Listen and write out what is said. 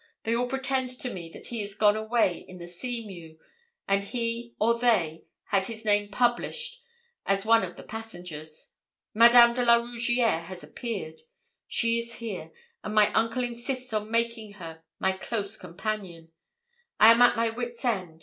They all pretend to me that he is gone away in the Seamew; and he or they had his name published as one of the passengers. Madame de la Rougierre has appeared! She is here, and my uncle insists on making her my close companion. I am at my wits' ends.